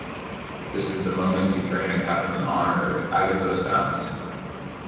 This is the moment to drain a cup in honor of the "Agathos Daimon".